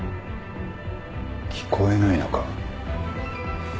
聞こえないのか？